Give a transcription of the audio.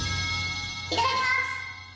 いただきます。